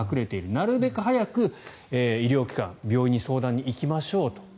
なるべく早く医療機関、病院に相談に行きましょうと。